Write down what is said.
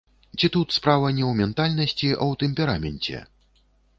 Ці тут справа не ў ментальнасці, а ў тэмпераменце?